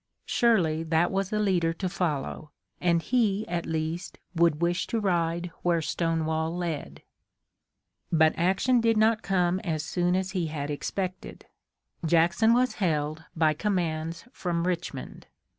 Surely that was a leader to follow, and he, at least, would wish to ride where Stonewall led. But action did not come as soon as he had expected. Jackson was held by commands from Richmond.